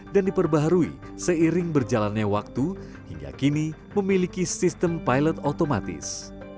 dan diperbaharui seiring berjalannya waktu hingga kini memiliki sistem pilot otomatis